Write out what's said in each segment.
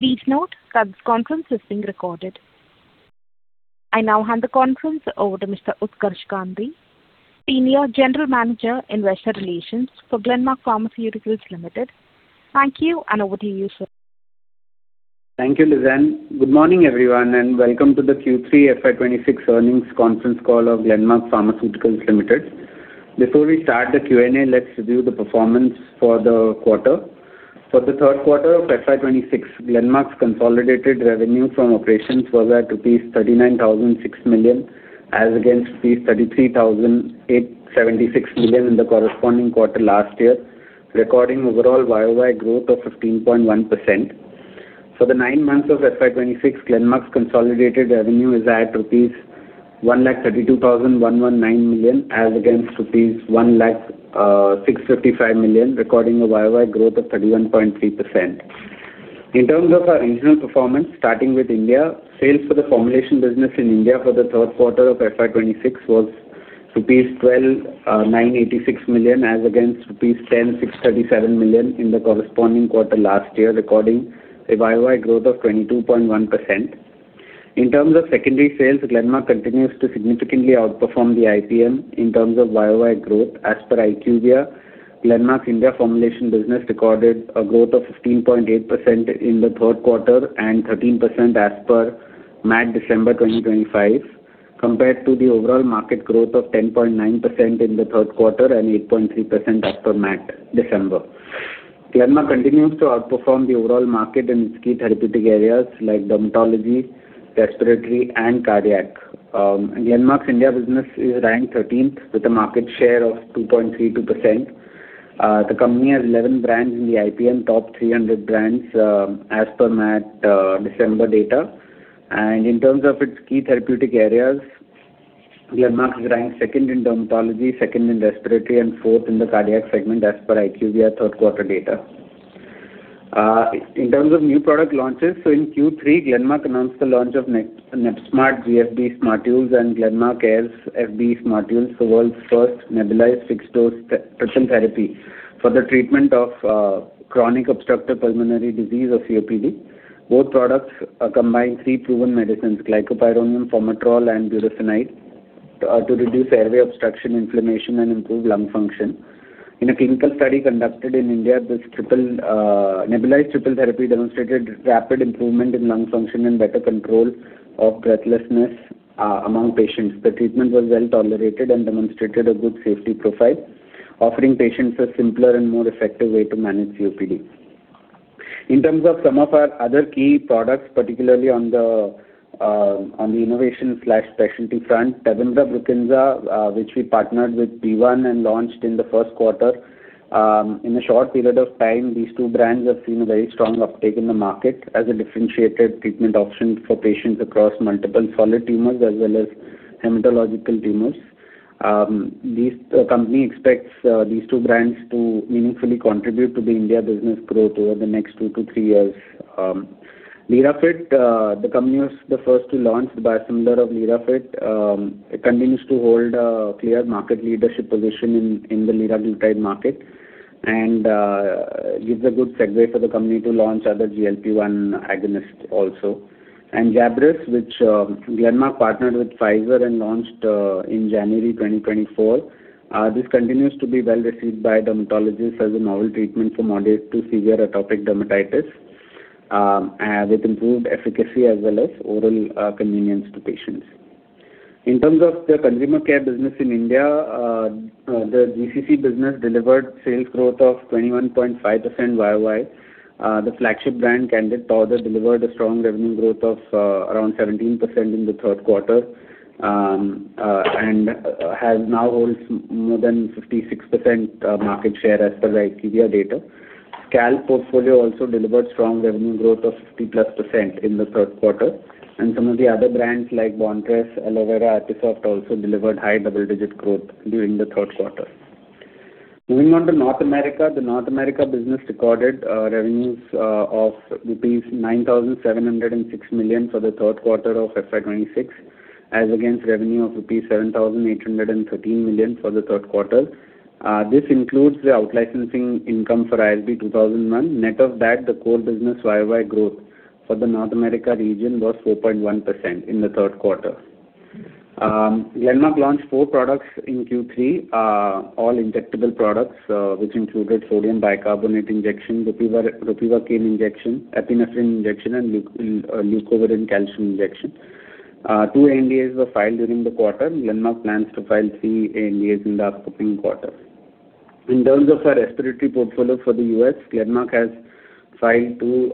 Please note that this conference is being recorded. I now hand the conference over to Mr. Utkarsh Gandhi, Senior General Manager, Investor Relations for Glenmark Pharmaceuticals Limited. Thank you, and over to you, sir. Thank you, Lizanne. Good morning, everyone, and welcome to the Q3 FY 2026 earnings conference call of Glenmark Pharmaceuticals Limited. Before we start the Q&A, let's review the performance for the quarter. For the third quarter of FY 2026, Glenmark's consolidated revenue from operations was at 39,600 million, as against 33,876 million in the corresponding quarter last year, recording overall YoY growth of 15.1%. For the nine months of FY 2026, Glenmark's consolidated revenue is at rupees 132,119 million, as against rupees 106,655 million, recording a YoY growth of 31.3%. In terms of our regional performance, starting with India, sales for the formulation business in India for the third quarter of FY 2026 was rupees 1,298.6 million, as against rupees 1,063.7 million in the corresponding quarter last year, recording a YoY growth of 22.1%. In terms of secondary sales, Glenmark continues to significantly outperform the IPM in terms of YoY growth. As per IQVIA, Glenmark's India formulation business recorded a growth of 15.8% in the third quarter and 13% as per MAT December 2025, compared to the overall market growth of 10.9% in the third quarter and 8.3% as per MAT December. Glenmark continues to outperform the overall market in its key therapeutic areas like dermatology, respiratory, and cardiac. Glenmark's India business is ranked 13th with a market share of 2.32%. The company has 11 brands in the IPM top 300 brands, as per MAT, December data. In terms of its key therapeutic areas, Glenmark is ranked 2nd in dermatology, 2nd in respiratory, and 4th in the cardiac segment, as per IQVIA third quarter data. In terms of new product launches, so in Q3, Glenmark announced the launch of Nebzmart GFB Smartules and Airz FB Smartules, the world's first nebulized fixed-dose treatment therapy for the treatment of chronic obstructive pulmonary disease or COPD. Both products combine three proven medicines, glycopyrronium, formoterol, and budesonide, to reduce airway obstruction, inflammation, and improve lung function. In a clinical study conducted in India, this triple, nebulized triple therapy demonstrated rapid improvement in lung function and better control of breathlessness, among patients. The treatment was well-tolerated and demonstrated a good safety profile, offering patients a simpler and more effective way to manage COPD. In terms of some of our other key products, particularly on the innovation/specialty front, TEVIMBRA, BRUKINSA, which we partnered with BeiGene and launched in the first quarter, in a short period of time, these two brands have seen a very strong uptake in the market as a differentiated treatment option for patients across multiple solid tumors as well as hematological tumors. The company expects these two brands to meaningfully contribute to the India business growth over the next two to three years. Liraglutide, the company was the first to launch the biosimilar of Liraglutide. It continues to hold a clear market leadership position in the Liraglutide market and gives a good segue for the company to launch other GLP-1 agonists also. Jabryus, which Glenmark partnered with Pfizer and launched in January 2024, this continues to be well-received by dermatologists as a novel treatment for moderate to severe atopic dermatitis with improved efficacy as well as oral convenience to patients. In terms of the consumer care business in India, the GCC business delivered sales growth of 21.5% YOY. The flagship brand, Candid Powder, delivered a strong revenue growth of around 17% in the third quarter, and has now holds more than 56% market share as per IQVIA data. Scalpe+ portfolio also delivered strong revenue growth of 50%+ in the third quarter, and some of the other brands like Bontress, Elovera, Aquasoft, also delivered high double-digit growth during the third quarter. Moving on to North America. The North America business recorded revenues of rupees 9,706 million for the third quarter of FY 2026, as against revenue of rupees 7,813 million for the third quarter. This includes the out licensing income for ISB 2001. Net of that, the core business year-over-year growth for the North America region was 4.1% in the third quarter. Glenmark launched 4 products in Q3, all injectable products, which included sodium bicarbonate injection, ropivacaine injection, epinephrine injection, and leucovorin calcium injection. Two ANDAs were filed during the quarter. Glenmark plans to file three ANDAs in the upcoming quarter. In terms of our respiratory portfolio for the US, Glenmark has filed two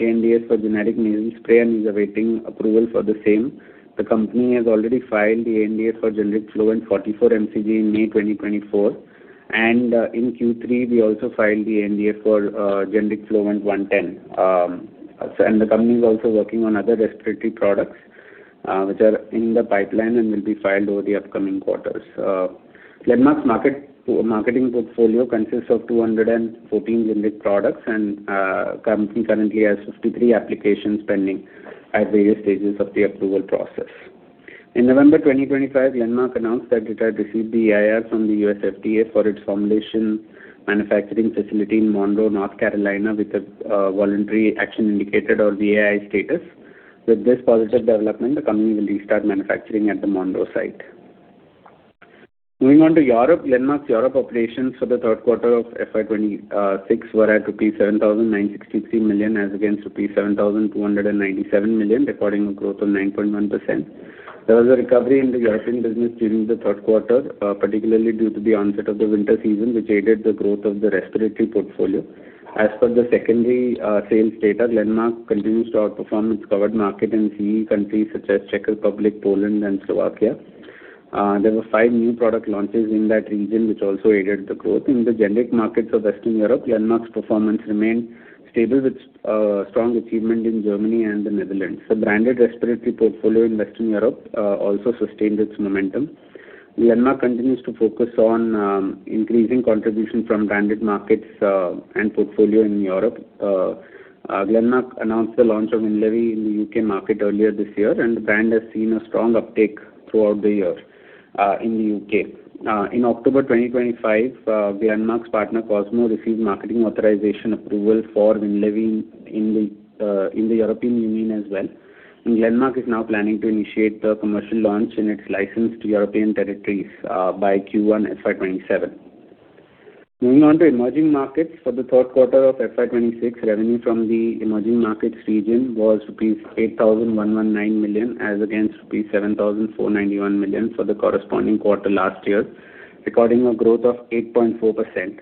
ANDAs for generic nasal spray and is awaiting approval for the same. The company has already filed the ANDA for generic FLOVENT 44 MCG in May 2024, and in Q3, we also filed the ANDA for generic FLOVENT 110. The company is also working on other respiratory products, which are in the pipeline and will be filed over the upcoming quarters. Glenmark's marketing portfolio consists of 214 generic products and the company currently has 53 applications pending at various stages of the approval process. In November 2025, Glenmark announced that it had received the EIR from the U.S. FDA for its formulation manufacturing facility in Monroe, North Carolina, with a voluntary action indicated or VAI status. With this positive development, the company will restart manufacturing at the Monroe site. Moving on to Europe. Glenmark's Europe operations for the third quarter of FY 2026 were at rupees 7,963 million, as against rupees 7,297 million, recording a growth of 9.1%. There was a recovery in the European business during the third quarter, particularly due to the onset of the winter season, which aided the growth of the respiratory portfolio. As per the secondary sales data, Glenmark continues to outperform its covered market in CE countries such as Czech Republic, Poland and Slovakia. There were 5 new product launches in that region, which also aided the growth. In the generic markets of Western Europe, Glenmark's performance remained stable, with strong achievement in Germany and the Netherlands. The branded respiratory portfolio in Western Europe also sustained its momentum. Glenmark continues to focus on increasing contribution from branded markets and portfolio in Europe. Glenmark announced the launch of WINLEVI in the UK market earlier this year, and the brand has seen a strong uptake throughout the year in the UK. In October 2025, Glenmark's partner, Cosmo, received marketing authorization approval for WINLEVI in the European Union as well, and Glenmark is now planning to initiate the commercial launch in its licensed European territories by Q1 FY 2027. Moving on to emerging markets. For the third quarter of FY 2026, revenue from the emerging markets region was rupees 8,119 million, as against 7,491 million for the corresponding quarter last year, recording a growth of 8.4%.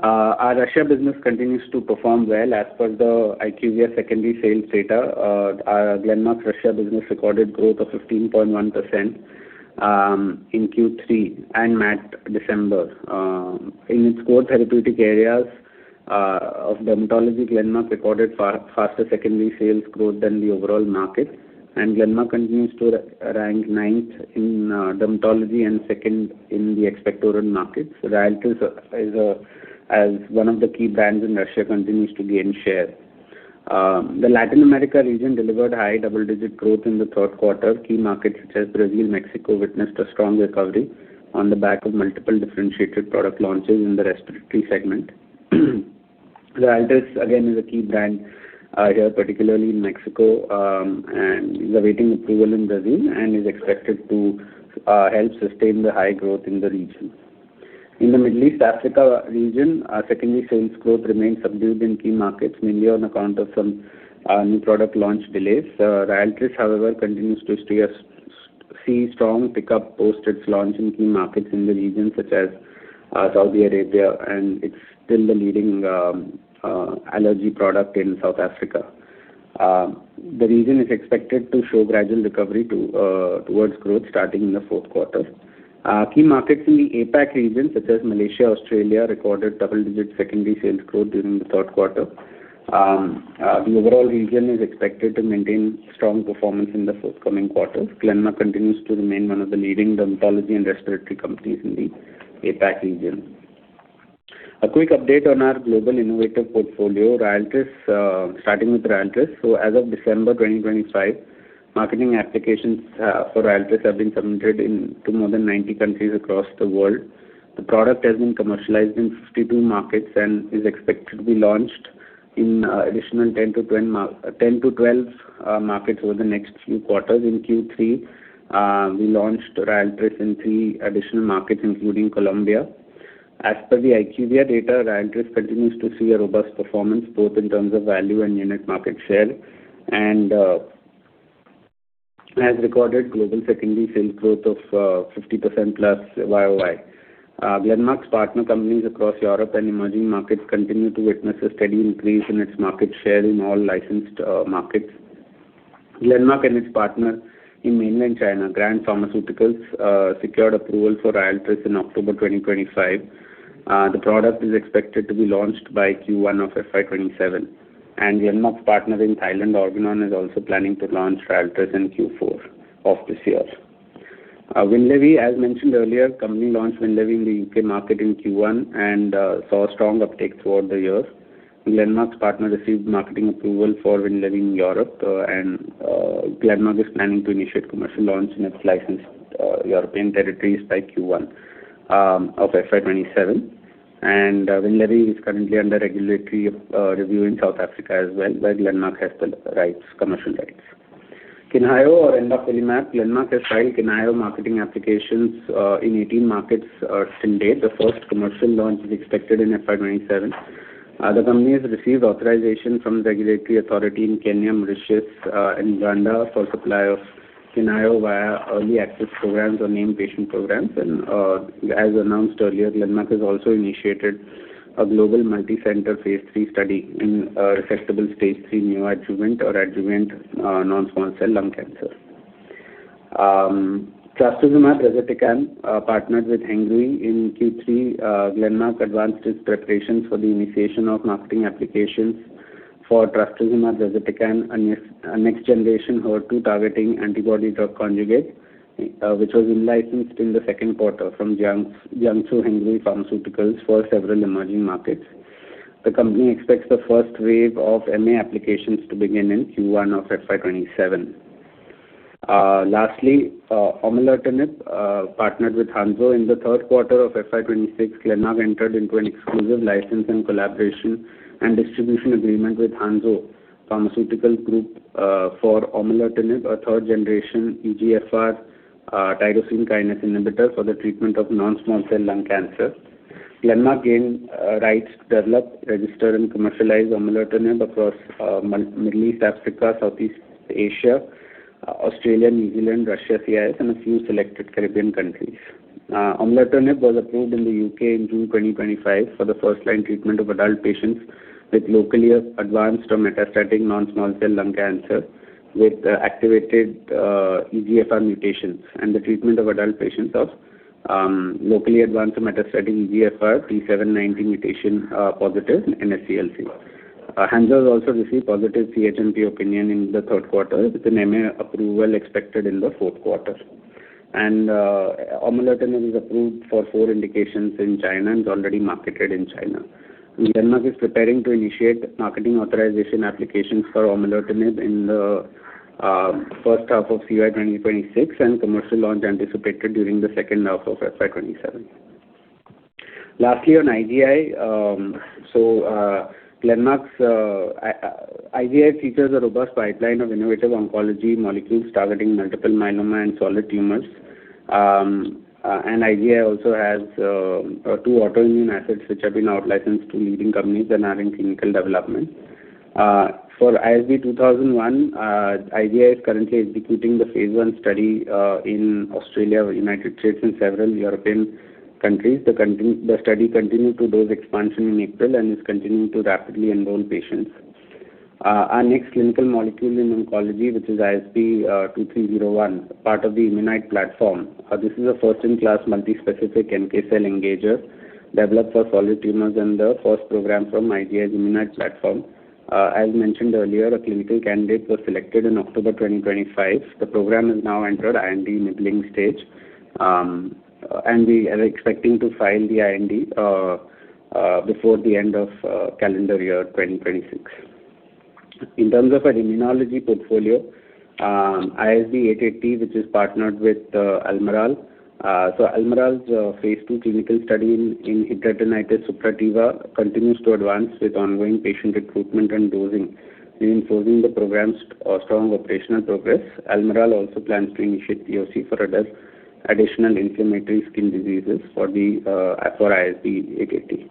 Our Russia business continues to perform well. As per the IQVIA secondary sales data, Glenmark's Russia business recorded growth of 15.1% in Q3 and MAT December. In its core therapeutic areas of dermatology, Glenmark recorded far faster secondary sales growth than the overall market, and Glenmark continues to rank ninth in dermatology and second in the expectorant markets. So RYALTRIS, as one of the key brands in Russia, continues to gain share. The Latin America region delivered high double-digit growth in the third quarter. Key markets such as Brazil, Mexico, witnessed a strong recovery on the back of multiple differentiated product launches in the respiratory segment. RYALTRIS, again, is a key brand here, particularly in Mexico, and is awaiting approval in Brazil and is expected to help sustain the high growth in the region. In the Middle East Africa region, our secondary sales growth remains subdued in key markets, mainly on account of some new product launch delays. RYALTRIS, however, continues to see strong pickup post its launch in key markets in the region, such as Saudi Arabia, and it's still the leading allergy product in South Africa. The region is expected to show gradual recovery towards growth starting in the fourth quarter. Key markets in the APAC region, such as Malaysia, Australia, recorded double-digit secondary sales growth during the third quarter. The overall region is expected to maintain strong performance in the forthcoming quarters. Glenmark continues to remain one of the leading dermatology and respiratory companies in the APAC region. A quick update on our global innovative portfolio. RYALTRIS, starting with RYALTRIS. So as of December 2025, marketing applications for RYALTRIS have been submitted to more than 90 countries across the world. The product has been commercialized in 52 markets and is expected to be launched in additional 10-12 markets over the next few quarters. In Q3, we launched RYALTRIS in 3 additional markets, including Colombia. As per the IQVIA data, RYALTRIS continues to see a robust performance, both in terms of value and unit market share, and has recorded global secondary sales growth of 50%+ YOY. Glenmark's partner companies across Europe and emerging markets continue to witness a steady increase in its market share in all licensed markets. Glenmark and its partner in mainland China, Grand Pharmaceuticals, secured approval for RYALTRIS in October 2025. The product is expected to be launched by Q1 of FY 2027, and Glenmark's partner in Thailand, Organon, is also planning to launch RYALTRIS in Q4 of this year. WINLEVI, as mentioned earlier, company launched WINLEVI in the UK market in Q1 and saw strong uptake throughout the year. Glenmark's partner received marketing approval for WINLEVI in Europe, and Glenmark is planning to initiate commercial launch in its licensed European territories by Q1 of FY 2027. WINLEVI is currently under regulatory review in South Africa as well, where Glenmark has the rights, commercial rights. QiNHAYO, or Envafolimab, Glenmark has filed QiNHAYO marketing applications in 18 markets to date. The first commercial launch is expected in FY 2027. The company has received authorization from the regulatory authority in Kenya, Mauritius, and Rwanda for supply of QiNHAYO via early access programs or named patient programs. As announced earlier, Glenmark has also initiated a global multicenter phase III study in resectable phase III neoadjuvant or adjuvant non-small cell lung cancer. Trastuzumab deruxtecan, partnered with Hengrui in Q3, Glenmark advanced its preparations for the initiation of marketing applications for trastuzumab deruxtecan, a next-generation HER2-targeting antibody drug conjugate, which was in-licensed in the second quarter from Jiangsu Hengrui Pharmaceuticals for several emerging markets. The company expects the first wave of MA applications to begin in Q1 of FY 2027. Lastly, Aumolertinib, partnered with Hansoh. In the third quarter of FY 2026, Glenmark entered into an exclusive license and collaboration and distribution agreement with Hansoh Pharmaceutical Group, for Aumolertinib, a third-generation EGFR tyrosine kinase inhibitor for the treatment of non-small cell lung cancer. Glenmark gained rights to develop, register, and commercialize Aumolertinib across Middle East, Africa, Southeast Asia, Australia, New Zealand, Russia, CIS, and a few selected Caribbean countries. Aumolertinib was approved in the U.K. in June 2025 for the first-line treatment of adult patients with locally advanced or metastatic non-small cell lung cancer, with activated EGFR mutations and the treatment of adult patients of locally advanced or metastatic EGFR T790 mutation-positive NSCLC. Hansoh has also received positive CHMP opinion in the third quarter, with an MA approval expected in the fourth quarter. Aumolertinib is approved for four indications in China and already marketed in China. Glenmark is preparing to initiate marketing authorization applications for Aumolertinib in the first half of FY 2026, and commercial launch anticipated during the second half of FY 2027. Lastly, on IGI. Glenmark's IGI features a robust pipeline of innovative oncology molecules targeting multiple myeloma and solid tumors. And IGI also has two autoimmune assets, which have been out-licensed to leading companies and are in clinical development. For ISB 2001, IGI is currently executing the phase I study in Australia, United States, and several European countries. The study continued to dose expansion in April and is continuing to rapidly enroll patients. Our next clinical molecule in oncology, which is ISB 2301, part of the Immunite platform. This is a first-in-class multispecific NK cell engager developed for solid tumors and the first program from IGI's Immunite platform. As mentioned earlier, a clinical candidate was selected in October 2025. The program has now entered IND enabling stage, and we are expecting to file the IND before the end of calendar year 2026. In terms of our immunology portfolio, ISB 880, which is partnered with Almirall. So Almirall's phase II clinical study in hidradenitis suppurativa continues to advance with ongoing patient recruitment and dosing. Reinforcing the program's strong operational progress, Almirall also plans to initiate POC for other additional inflammatory skin diseases for ISB 880.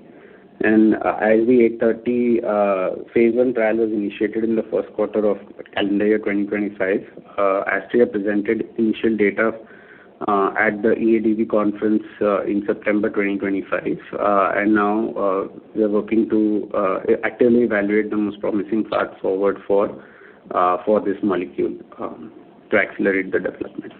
ISB 830, phase I trial was initiated in the first quarter of calendar year 2025. Astria presented initial data at the EADV conference in September 2025. And now we are working to actively evaluate the most promising paths forward for this molecule to accelerate the development.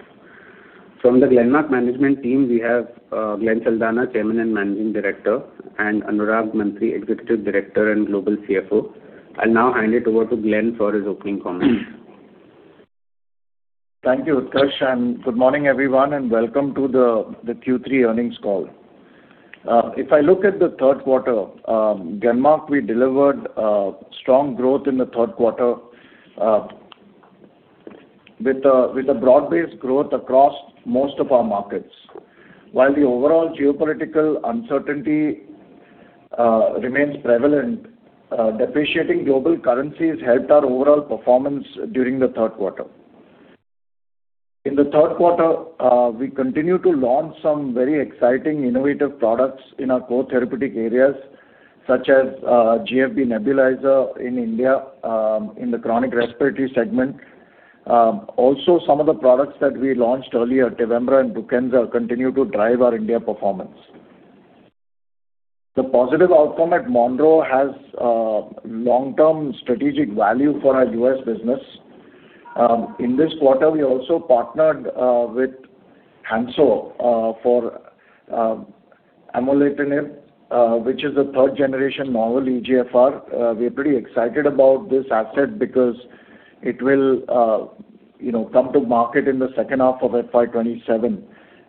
From the Glenmark management team, we have Glenn Saldanha, Chairman and Managing Director, and Anurag Mantri, Executive Director and Global CFO. I'll now hand it over to Glen for his opening comments. Thank you, Utkarsh, and good morning, everyone, and welcome to the Q3 earnings call. If I look at the third quarter, Glenmark, we delivered strong growth in the third quarter with a broad-based growth across most of our markets. While the overall geopolitical uncertainty remains prevalent, depreciating global currencies helped our overall performance during the third quarter. In the third quarter, we continue to launch some very exciting, innovative products in our core therapeutic areas, such as GFB nebulizer in India in the chronic respiratory segment. Also, some of the products that we launched earlier, TEVIMBRA and BRUKINSA, continue to drive our India performance. The positive outcome at Monroe has long-term strategic value for our U.S. business. In this quarter, we also partnered with Hansoh for Aumolertinib, which is a third generation novel EGFR. We are pretty excited about this asset because it will, you know, come to market in the second half of FY 2027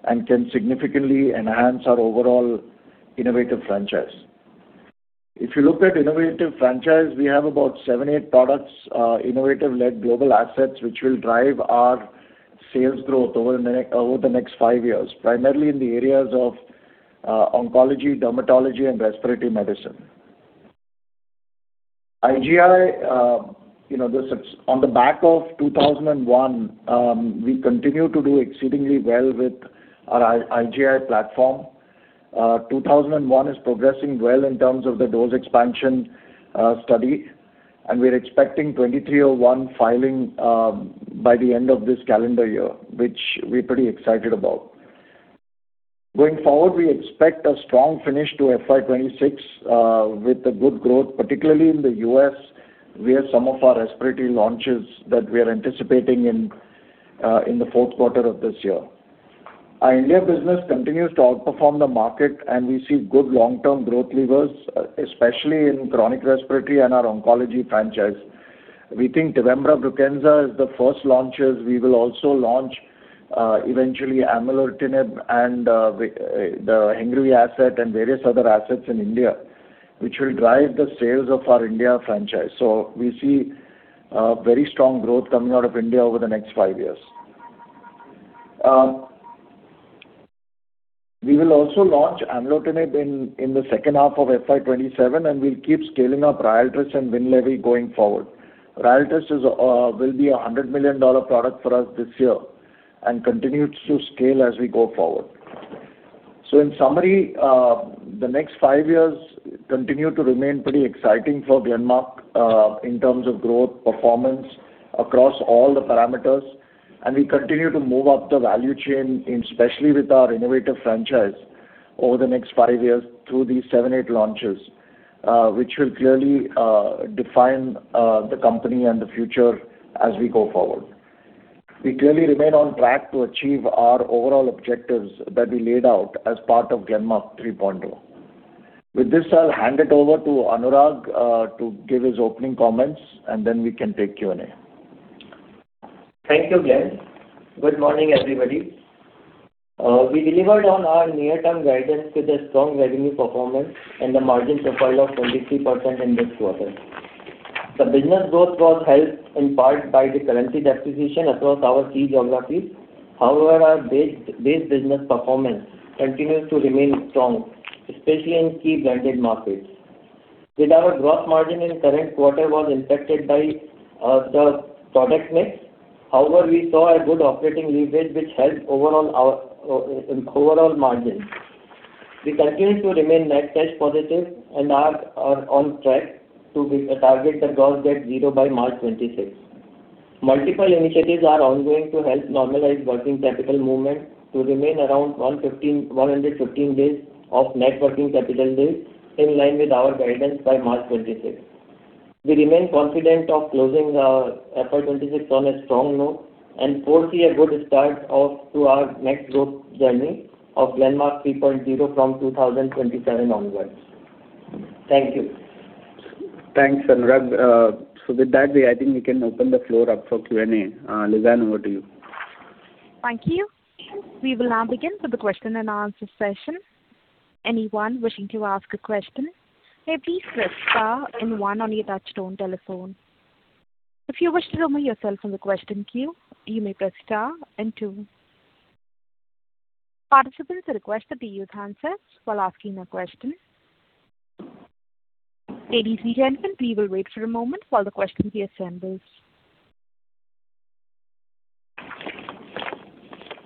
and can significantly enhance our overall innovative franchise. If you look at innovative franchise, we have about seven, eight products, innovative-led global assets, which will drive our sales growth over the next five years, primarily in the areas of oncology, dermatology, and respiratory medicine. IGI, you know, on the back of ISB 2001, we continue to do exceedingly well with our IGI platform. ISB 2001 is progressing well in terms of the dose expansion study, and we're expecting ISB 2301 filing by the end of this calendar year, which we're pretty excited about. Going forward, we expect a strong finish to FY 2026 with a good growth, particularly in the U.S., where some of our respiratory launches that we are anticipating in the fourth quarter of this year. Our India business continues to outperform the market, and we see good long-term growth levers, especially in chronic respiratory and our oncology franchise. We think TEVIMBRA BRUKINSA is the first launches. We will also launch eventually Aumolertinib and the Hengrui asset and various other assets in India, which will drive the sales of our India franchise. So we see very strong growth coming out of India over the next five years. We will also launch Aumolertinib in the second half of FY 2027, and we'll keep scaling up RYALTRIS and WINLEVI going forward. RYALTRIS will be a $100 million product for us this year and continues to scale as we go forward. So in summary, the next five years continue to remain pretty exciting for Glenmark in terms of growth, performance across all the parameters. And we continue to move up the value chain, especially with our innovative franchise over the next five years through these seven, eight launches, which will clearly define the company and the future as we go forward. We clearly remain on track to achieve our overall objectives that we laid out as part of Glenmark 3.0. With this, I'll hand it over to Anurag to give his opening comments, and then we can take Q&A. Thank you, Glen. Good morning, everybody. We delivered on our near-term guidance with a strong revenue performance and a margin profile of 23% in this quarter. The business growth was helped in part by the currency depreciation across our key geographies. However, our base business performance continues to remain strong, especially in key branded markets. With our gross margin in current quarter was impacted by the product mix, however, we saw a good operating leverage, which helped overall our overall margins. We continue to remain net cash positive and are on track to target the gross debt zero by March 2026. Multiple initiatives are ongoing to help normalize working capital movement to remain around 115 days of net working capital days, in line with our guidance by March 2026. We remain confident of closing FY 26 on a strong note and foresee a good start off to our next growth journey of Glenmark 3.0 from 2027 onwards. Thank you. Thanks, Anurag. So with that, we, I think we can open the floor up for Q&A. Lizanne, over to you. Thank you. We will now begin with the question and answer session. Anyone wishing to ask a question, may please press star and one on your touch-tone telephone. If you wish to remove yourself from the question queue, you may press star and two. Participants are requested to use handsets while asking a question. Ladies and gentlemen, we will wait for a moment while the questions be assembled.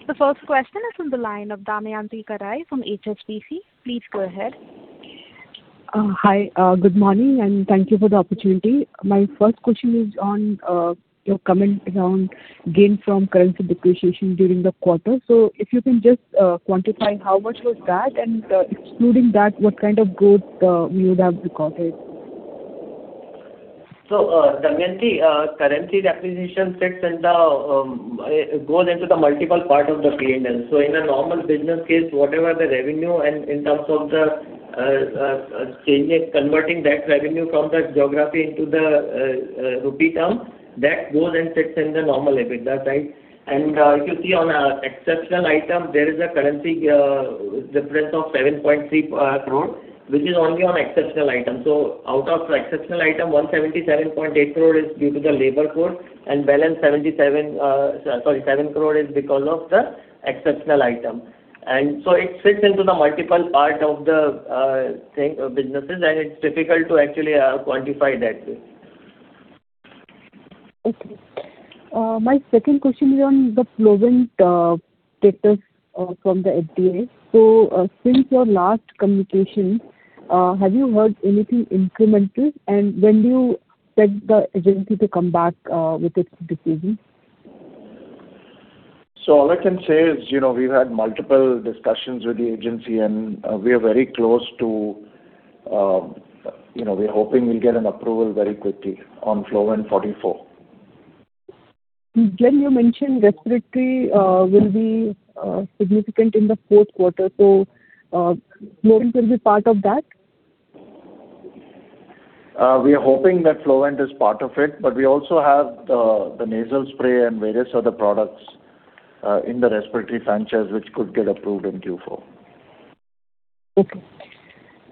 The first question is from the line of Damayanti Kerai from HSBC. Please go ahead. Hi, good morning, and thank you for the opportunity. My first question is on your comment around gain from currency depreciation during the quarter. So if you can just quantify how much was that, and excluding that, what kind of growth we would have recorded? So, Damayanti, currency depreciation sits in the, goes into the multiple part of the P&L. So in a normal business case, whatever the revenue and in terms of the, changing, converting that revenue from that geography into the, rupee term, that goes and sits in the normal EBITDA, right? And, if you see on our exceptional item, there is a currency, difference of 7.3 crore, which is only on exceptional item. So out of the exceptional item, 177.8 crore is due to the labor court, and balance 77, sorry, 7 crore is because of the exceptional item. And so it sits into the multiple part of the, thing, businesses, and it's difficult to actually, quantify that way. Okay. My second question is on the FLOVENT status from the FDA. So, since your last communication, have you heard anything incremental? And when do you expect the agency to come back with its decision? All I can say is, you know, we've had multiple discussions with the agency, and we are very close to, you know, we're hoping we'll get an approval very quickly on FLOVENT 44. Glen, you mentioned respiratory will be significant in the fourth quarter, so FLOVENT will be part of that? We are hoping that FLOVENT is part of it, but we also have the nasal spray and various other products in the respiratory franchise, which could get approved in Q4. Okay.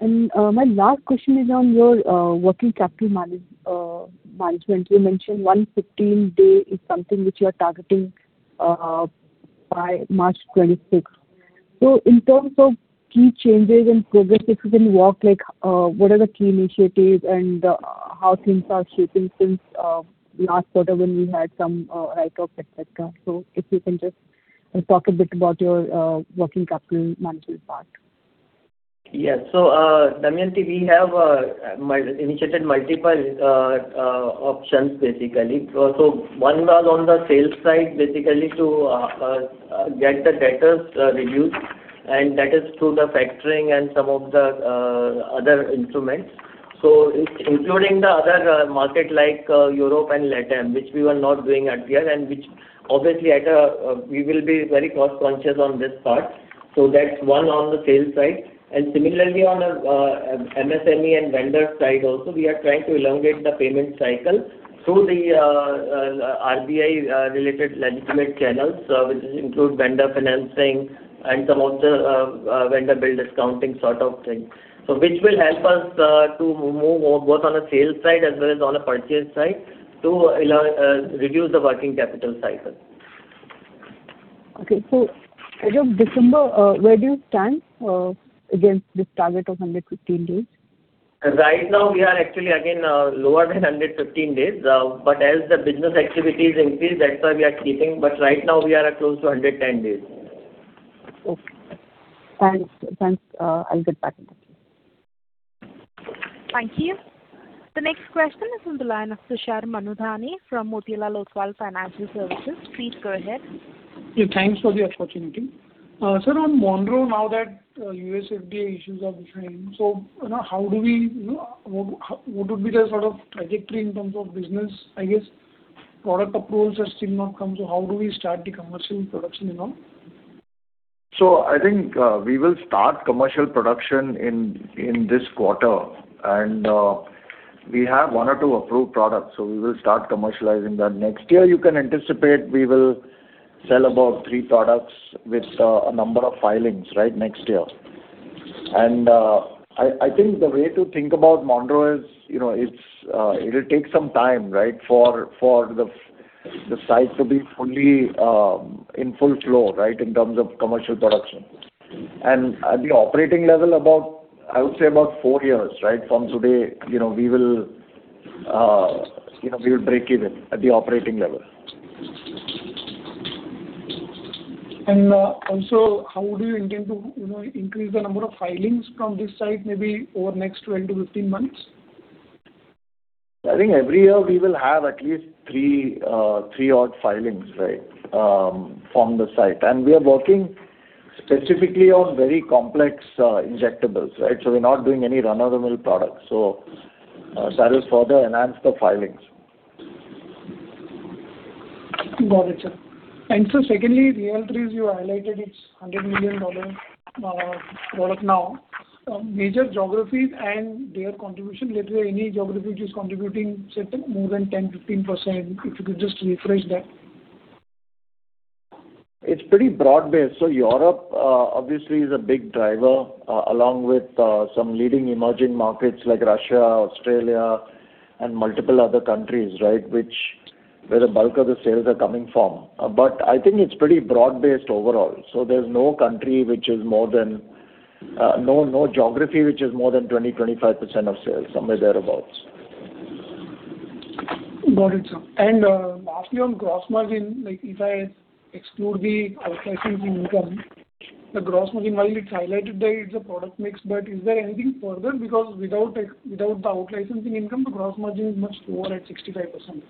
My last question is on your working capital management. You mentioned 115 days is something which you are targeting by March 2026. So in terms of key changes and progress, if you can walk, like, what are the key initiatives and how things are shaping since last quarter when we had some hiccup, et cetera. So if you can just talk a bit about your working capital management part. Yes. So, Damayanti, we have initiated multiple options, basically. So one was on the sales side, basically to get the debtors reduced, and that is through the factoring and some of the other instruments. So including the other market like Europe and LATAM, which we were not doing yet, and which obviously we will be very cost conscious on this part. So that's one on the sales side. And similarly, on the MSME and vendor side also, we are trying to elongate the payment cycle through the RBI related legitimate channels, which include vendor financing and some of the vendor bill discounting sort of thing. So which will help us to move more both on the sales side as well as on the purchase side, to allow reduce the working capital cycle. Okay. So as of December, where do you stand against this target of 115 days? Right now, we are actually again lower than 115 days. But as the business activities increase, that's why we are keeping... But right now we are at close to 110 days. Okay. Thanks. Thanks. I'll get back. Thank you. The next question is from the line of Tushar Manudhane from Motilal Oswal Financial Services. Please go ahead. Yeah, thanks for the opportunity. Sir, on Monroe, now that USFDA issues are behind, so, you know, how do we, you know, what would be the sort of trajectory in terms of business? I guess product approvals has still not come, so how do we start the commercial production, you know? So I think, we will start commercial production in, in this quarter, and, we have one or two approved products, so we will start commercializing that. Next year, you can anticipate we will sell about three products with, a number of filings, right, next year. And, I, I think the way to think about Monroe is, you know, it's, it'll take some time, right, for, for the site to be fully, in full flow, right, in terms of commercial production. And at the operating level, about, I would say about four years, right? From today, you know, we will, you know, we will break even at the operating level. Also, how do you intend to, you know, increase the number of filings from this site, maybe over the next 12-15 months? I think every year we will have at least three, three odd filings, right, from the site. And we are working specifically on very complex injectables, right? So we're not doing any run-of-the-mill products. So, that will further enhance the filings. Got it, sir. And sir, secondly, RYALTRIS, you highlighted it's $100 million product now. Major geographies and their contribution, let's say any geography which is contributing, say, more than 10, 15%, if you could just refresh that. It's pretty broad-based. So Europe obviously is a big driver, along with some leading emerging markets like Russia, Australia, and multiple other countries, right? Which, where the bulk of the sales are coming from. But I think it's pretty broad-based overall. So there's no country, no geography, which is more than 20-25% of sales, somewhere thereabouts. Got it, sir. And lastly, on gross margin, like if I exclude the out-licensing income, the gross margin, while it's highlighted there, it's a product mix, but is there anything further? Because without the out-licensing income, the gross margin is much lower at 65%.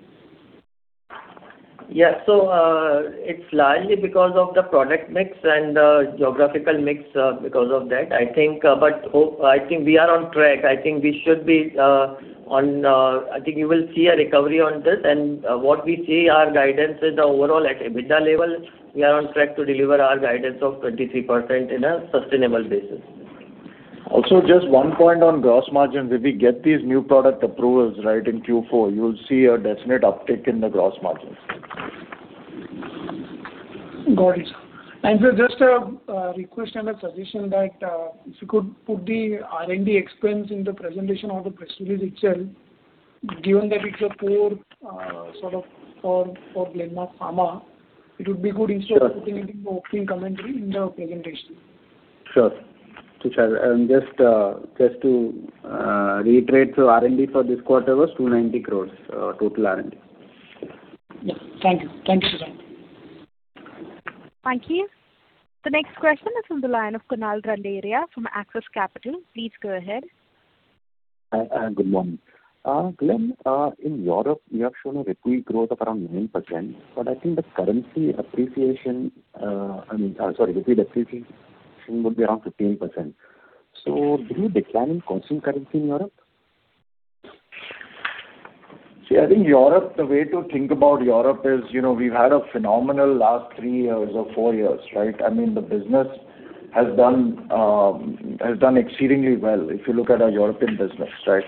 Yeah. So, it's largely because of the product mix and geographical mix because of that. I think, but hope- I think we are on track. I think we should be on. I think you will see a recovery on this. And what we see our guidance is overall at EBITDA level, we are on track to deliver our guidance of 23% in a sustainable basis. Also, just one point on gross margin. If we get these new product approvals, right, in Q4, you'll see a definite uptick in the gross margins. Got it, sir. And sir, just a request and a suggestion that if you could put the R&D expense in the presentation or the press release itself, given that it's a core sort of for Glenmark Pharma, it would be good instead- Sure. Of putting commentary in the presentation. Sure. So, Tushar, just to reiterate, so R&D for this quarter was 290 crores, total R&D. Yeah. Thank you. Thank you, Tushar. Thank you. The next question is from the line of Kunal Randeria from Axis Capital. Please go ahead. Good morning. Glen, in Europe, you have shown a revenue growth of around 9%, but I think the currency appreciation, I mean, sorry, revenue appreciation would be around 15%. So do you decline in constant currency in Europe? See, I think Europe, the way to think about Europe is, you know, we've had a phenomenal last three years or four years, right? I mean, the business has done, has done exceedingly well, if you look at our European business, right?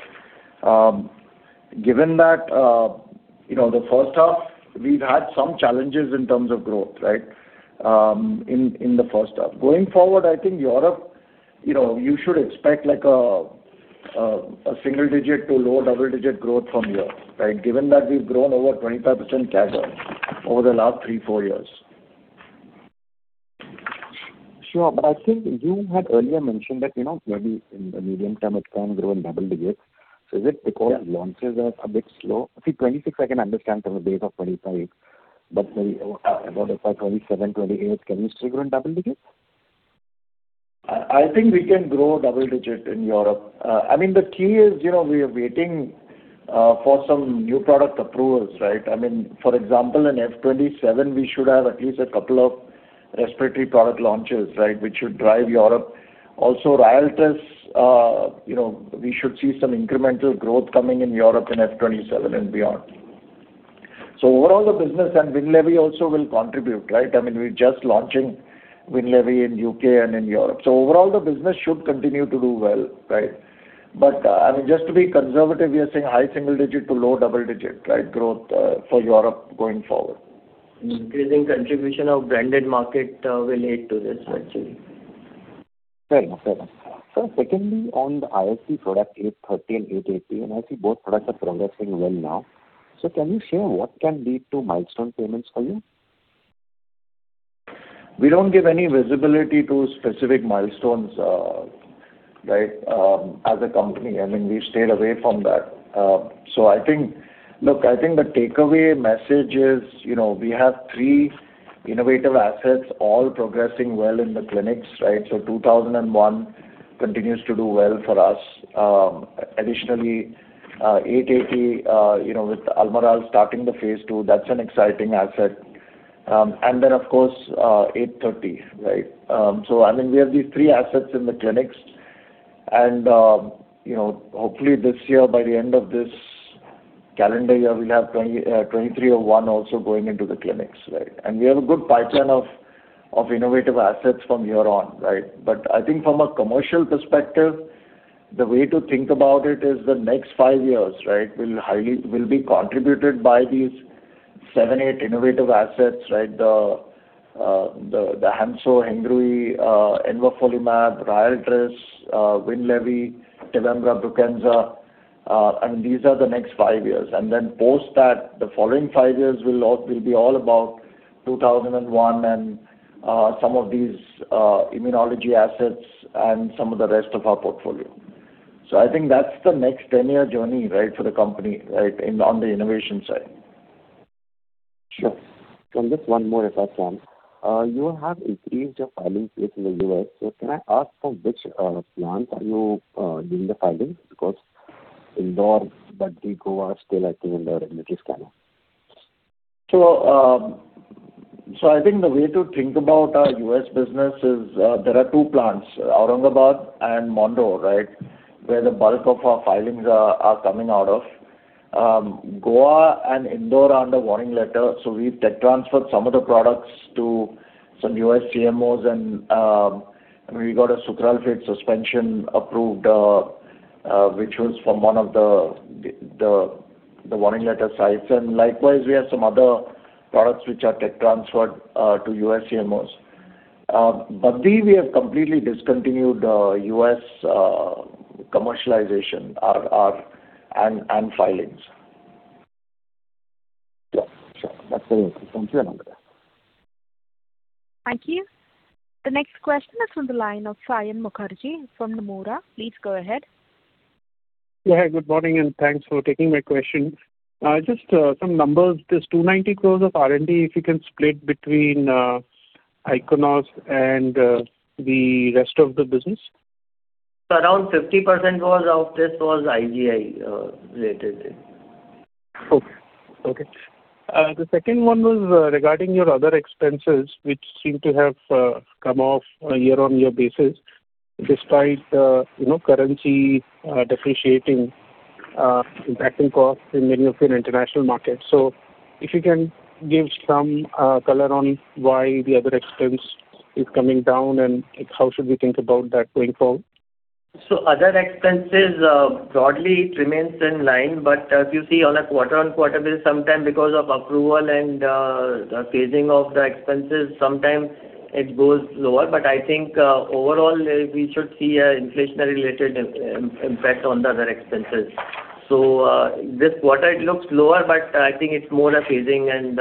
In, in the first half, we've had some challenges in terms of growth, right? In, in the first half. Going forward, I think Europe, you know, you should expect like a, a, a single digit to low double-digit growth from here, right? Given that we've grown over 25% CAGR over the last three, four years. Sure. But I think you had earlier mentioned that, you know, maybe in the medium term, it can grow in double digits. So is it because- Yeah... launches are a bit slow? See, 26, I can understand from a base of 25, but maybe, about 27, 28, can we still grow in double digits? I think we can grow double-digit in Europe. I mean, the key is, you know, we are waiting for some new product approvals, right? I mean, for example, in FY 2027, we should have at least a couple of respiratory product launches, right? Which should drive Europe. Also, RYALTRIS, you know, we should see some incremental growth coming in Europe in FY 2027 and beyond. So overall, the business and WINLEVI also will contribute, right? I mean, we're just launching WINLEVI in UK and in Europe. So overall, the business should continue to do well, right? But, I mean, just to be conservative, we are saying high single-digit to low double-digit, right, growth for Europe going forward. Increasing contribution of branded market will lead to this actually. Fair enough. Fair enough. Sir, secondly, on the ISB 830 and 880, and I see both products are progressing well now. So can you share what can lead to milestone payments for you? We don't give any visibility to specific milestones, right, as a company. I mean, we've stayed away from that. So I think. Look, I think the takeaway message is, you know, we have three innovative assets all progressing well in the clinics, right? So 2001 continues to do well for us. Additionally, 880, you know, with Almirall starting the phase II, that's an exciting asset. And then of course, 830, right? So I mean, we have these three assets in the clinics and, you know, hopefully this year, by the end of this calendar year, we'll have 2301 also going into the clinics, right? And we have a good pipeline of innovative assets from here on, right. But I think from a commercial perspective, the way to think about it is the next five years, right, will be contributed by these seven, eight innovative assets, right? The Hansoh, Hengrui, Envafolimab, RYALTRIS, WINLEVI, TEVIMBRA, BRUKINSA, I mean, these are the next five years. And then post that, the following five years will be all about two thousand and one and some of these immunology assets and some of the rest of our portfolio. So I think that's the next 10-year journey, right, for the company, right, in, on the innovation side. Sure. So just one more, if I can. You have increased your filing fees in the U.S., so can I ask for which plants are you doing the filing? Because Indore, but Goa are still active in the remediation scanner. So, I think the way to think about our US business is, there are two plants, Aurangabad and Monroe, right? Where the bulk of our filings are coming out of. Goa and Indore are under warning letter, so we tech transferred some of the products to some US CMOs and we got a sucralfate suspension approved, which was from one of the warning letter sites. And likewise, we have some other products which are tech transferred to US CMOs. But we have completely discontinued our US commercialization and filings. Sure. Sure. That's very interesting. Thank you, Namrata. Thank you. The next question is from the line of Saion Mukherjee from Nomura. Please go ahead. Yeah, good morning, and thanks for taking my question. Just some numbers, this 290 crores of R&D, if you can split between Ichnos and the rest of the business? Around 50% was, of this was IGI related. Okay. Okay. The second one was regarding your other expenses, which seem to have come off a year-on-year basis, despite, you know, currency depreciating, impacting costs in many of your international markets. So if you can give some color on why the other expense is coming down and how should we think about that going forward? So other expenses, broadly, it remains in line, but as you see on a quarter-on-quarter basis, sometimes because of approval and the phasing of the expenses, sometimes it goes lower. But I think, overall, we should see an inflationary related impact on the other expenses. So, this quarter it looks lower, but I think it's more a phasing and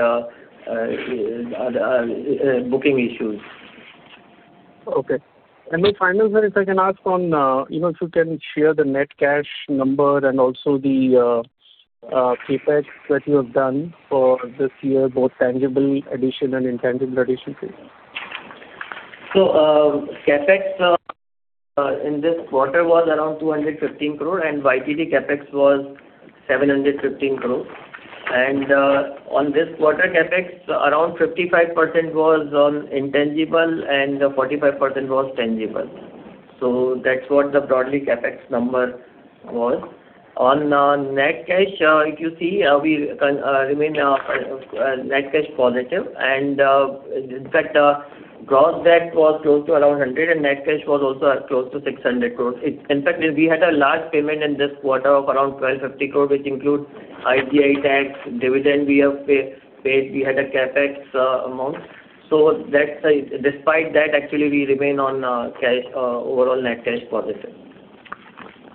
booking issues. Okay. And the final one, if I can ask on, you know, if you can share the net cash number and also the, CapEx that you have done for this year, both tangible addition and intangible addition please. So, CapEx in this quarter was around 215 crore, and YTD CapEx was 715 crore. And on this quarter, CapEx, around 55% was on intangible and 45% was tangible. So that's what the broadly CapEx number was. On net cash, if you see, we remain net cash positive. And in fact, gross debt was close to around 100 crore, and net cash was also close to 600 crore. In fact, we had a large payment in this quarter of around 1,250 crore, which includes ITI tax, dividend we have paid, we had a CapEx amount. So that's—despite that, actually, we remain on cash overall net cash positive.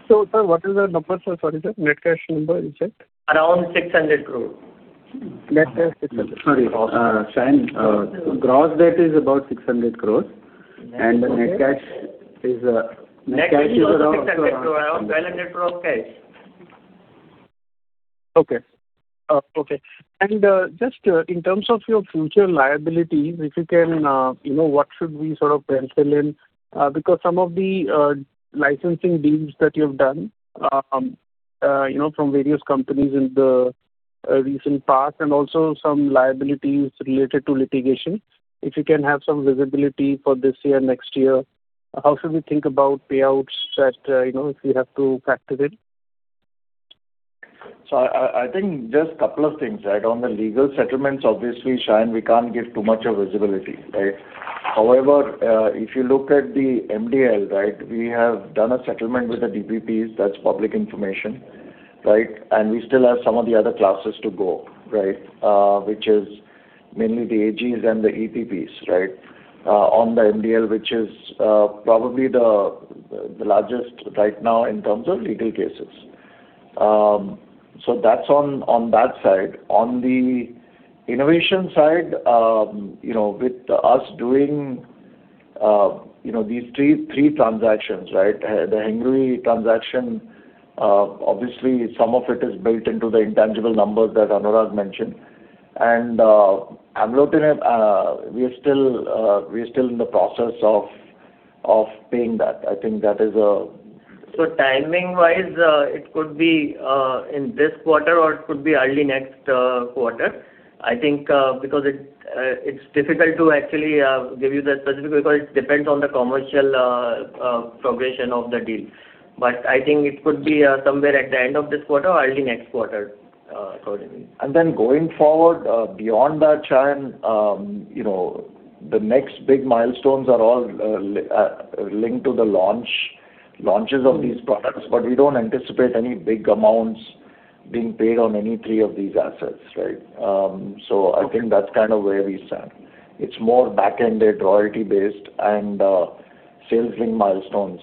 So, sir, what is the number, sir? Sorry, sir. Net cash number, is it? Around INR 600 crore. Net cash, INR 600. Sorry, Saion, gross debt is about INR 600 crore, and the net cash is, net cash is around, net cash is around INR 1,200 crore of cash. Okay. Okay. And just in terms of your future liabilities, if you can, you know, what should we sort of pencil in? Because some of the licensing deals that you've done, you know, from various companies in the recent past, and also some liabilities related to litigation. If you can have some visibility for this year, next year, how should we think about payouts that, you know, if we have to factor in? So I think just a couple of things, right? On the legal settlements, obviously, Shane, we can't give too much of visibility, right? However, if you look at the MDL, right, we have done a settlement with the DPPs, that's public information, right? And we still have some of the other classes to go, right, which is mainly the AGs and the EPPs, right, on the MDL, which is probably the largest right now in terms of legal cases. So that's on that side. On the innovation side, you know, with us doing, you know, these three transactions, right? The Hengrui transaction, obviously some of it is built into the intangible numbers that Anurag mentioned. And, Aumolertinib, we are still, we are still in the process of paying that. I think that is. So timing-wise, it could be in this quarter or it could be early next quarter. I think, because it, it's difficult to actually give you the specific, because it depends on the commercial progression of the deal. But I think it could be somewhere at the end of this quarter or early next quarter, accordingly. And then going forward, beyond that, Shane, you know, the next big milestones are all linked to the launch, launches of these products, but we don't anticipate any big amounts being paid on any three of these assets, right? So I think that's kind of where we stand. It's more back-ended, royalty-based, and sales link milestones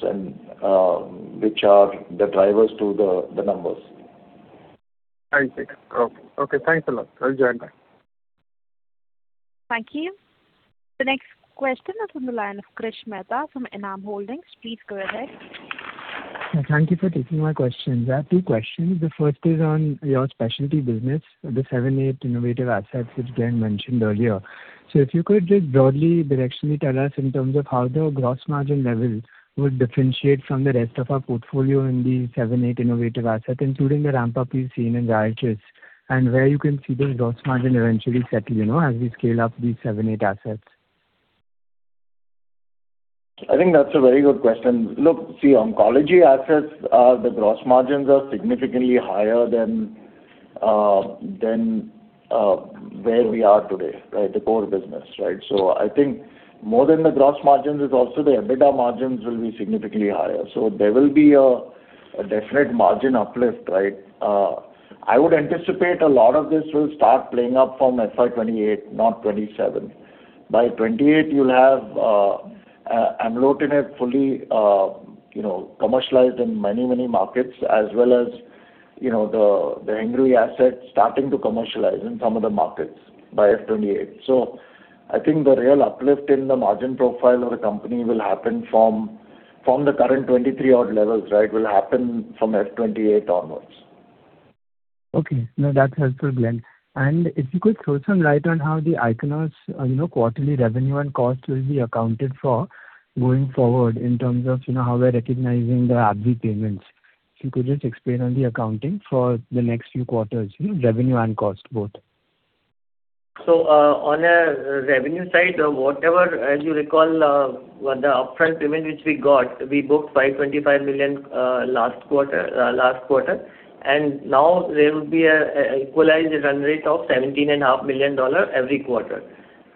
and which are the drivers to the numbers. I see. Okay. Okay, thanks a lot. I'll join back. Thank you. The next question is from the line of Krish Mehta from Enam Holdings. Please go ahead. Thank you for taking my questions. I have two questions. The first is on your specialty business, the 7, 8 innovative assets, which Glen mentioned earlier. So if you could just broadly, directionally tell us in terms of how the gross margin level would differentiate from the rest of our portfolio in the 7, 8 innovative assets, including the ramp-up we've seen in RYALTRIS, and where you can see the gross margin eventually settle, you know, as we scale up these 7, 8 assets? I think that's a very good question. Look, see, oncology assets, the gross margins are significantly higher than, than, where we are today, right? The core business, right? So I think more than the gross margins is also the EBITDA margins will be significantly higher. So there will be a, a definite margin uplift, right? I would anticipate a lot of this will start playing up from FY 2028, not 2027. By 2028, you'll have, amlotinib fully, you know, commercialized in many, many markets, as well as, you know, the, the Hengrui assets starting to commercialize in some of the markets by FY 2028. So I think the real uplift in the margin profile of the company will happen from, from the current 23 odd levels, right, will happen from FY 2028 onwards. Okay. No, that's helpful, Glen. And if you could throw some light on how the Ichnos, you know, quarterly revenue and cost will be accounted for going forward in terms of, you know, how we're recognizing the AbbVie payments. If you could just explain on the accounting for the next few quarters, you know, revenue and cost both? On the revenue side, whatever, as you recall, what the upfront payment, which we got, we booked $525 million last quarter. And now there will be a equalized run rate of $17.5 million every quarter.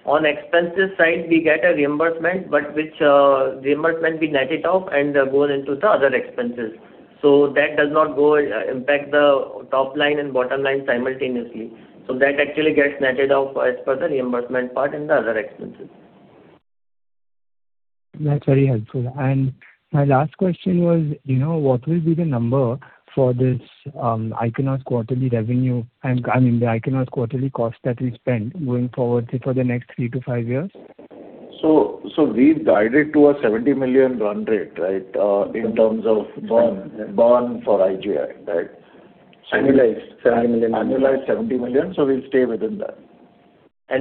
On expenses side, we get a reimbursement, but which reimbursement we net it off and go into the other expenses. So that does not go impact the top line and bottom line simultaneously. So that actually gets netted off as per the reimbursement part and the other expenses. That's very helpful. My last question was, you know, what will be the number for this Ichnos quarterly revenue, and, I mean, the Ichnos quarterly cost that we spend going forward say for the next 3-5 years? So, we've guided to a $70 million run rate, right, in terms of burn for IGI, right? Annualized, INR 70 million. Annualized INR 70 million, so we'll stay within that.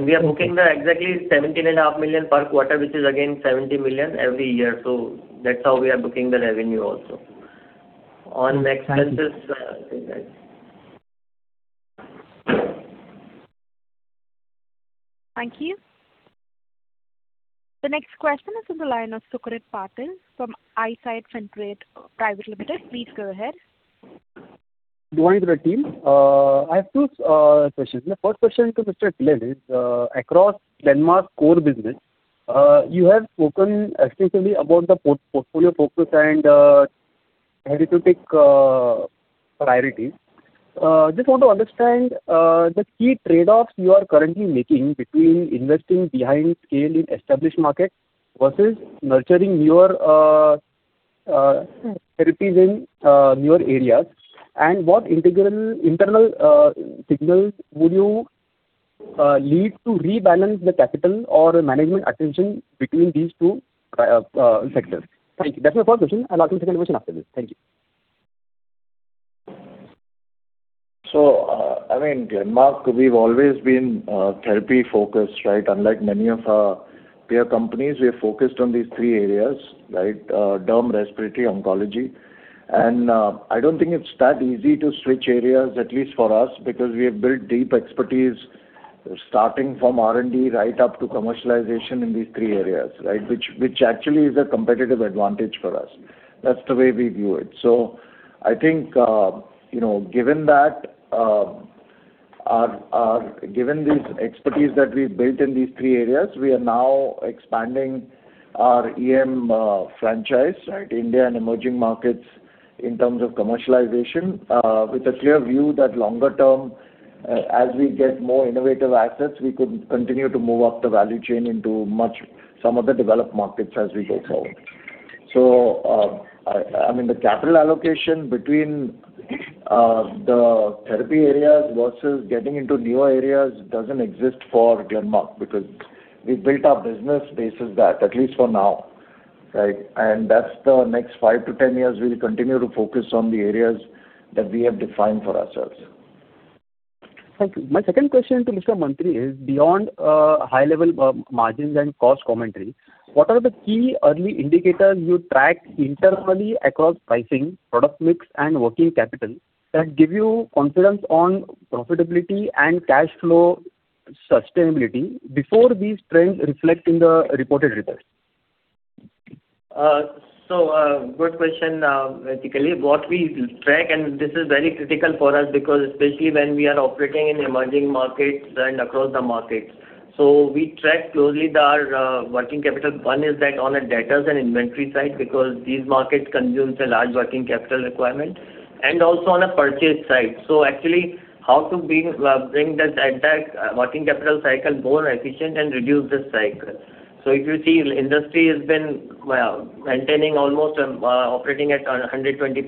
We are booking exactly 17.5 million per quarter, which is again 70 million every year. So that's how we are booking the revenue also. On next business, Thank you. Thank you. The next question is from the line of Sukrit Patil from Eyesight Fintrade Private Limited. Please go ahead. Good morning to the team. I have two questions. The first question to Mr. Glenn is, across Glenmark's core business, you have spoken extensively about the portfolio focus and therapeutic priority. Just want to understand the key trade-offs you are currently making between investing behind scale in established market versus nurturing your therapies in newer areas? And what key internal signals would you need to rebalance the capital or management attention between these two sectors? Thank you. That's my first question. I'll ask you the second question after this. Thank you. So, I mean, in them, we've always been therapy focused, right? Unlike many of our peer companies, we are focused on these three areas, right? Derm, respiratory, oncology. And, I don't think it's that easy to switch areas, at least for us, because we have built deep expertise starting from R&D right up to commercialization in these three areas, right? Which actually is a competitive advantage for us. That's the way we view it. So I think, you know, given that, given this expertise that we've built in these three areas, we are now expanding our EM franchise, right, India and emerging markets in terms of commercialization, with a clear view that longer term, as we get more innovative assets, we could continue to move up the value chain into much some of the developed markets as we go forward. So, I mean, the capital allocation between the therapy areas versus getting into newer areas doesn't exist for Glenmark, because we built our business basis that, at least for now, right? And that's the next five to 10 years, we'll continue to focus on the areas that we have defined for ourselves. Thank you. My second question to Mr. Mantri is, beyond high level margins and cost commentary, what are the key early indicators you track internally across pricing, product mix, and working capital that give you confidence on profitability and cash flow sustainability before these trends reflect in the reported results? So, good question. Basically, what we track, and this is very critical for us because especially when we are operating in emerging markets and across the markets. So we track closely the working capital. One is that on a debtors and inventory side, because these markets consume a large working capital requirement, and also on a purchase side. So actually, how to bring this entire working capital cycle more efficient and reduce this cycle. So if you see, industry has been, well, maintaining almost operating at 125-130